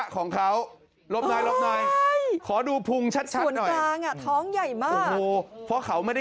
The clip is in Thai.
คอดูพุงชัด